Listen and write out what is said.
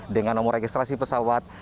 dengan nomor registrasi pesawat